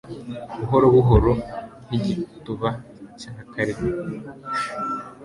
buhoro buhoro nkigituba cya kare